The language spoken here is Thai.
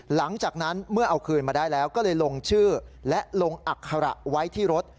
หลังจากนั้นเมื่อเอาคืนมาได้แล้วก็เลยลงชื่อและลงอัคระไว้ที่รถ